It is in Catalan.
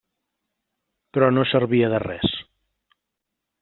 Però no servia de res.